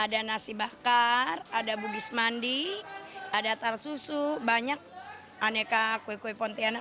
ada nasi bakar ada bugis mandi ada tar susu banyak aneka kue kue pontianak